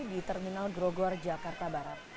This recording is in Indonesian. di terminal grogor jakarta barat